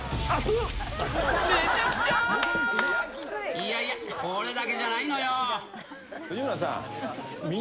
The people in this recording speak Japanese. いやいや、これだけじゃない藤村さん。